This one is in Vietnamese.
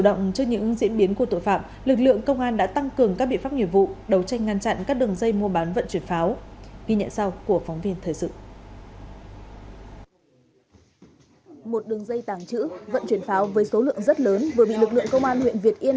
một đường dây tàng trữ vận chuyển pháo với số lượng rất lớn vừa bị lực lượng công an huyện việt yên